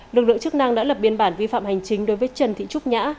lực lượng chức năng đã lập biên bản vi phạm hành chính đối với trần thị trúc nhã